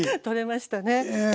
取れましたね。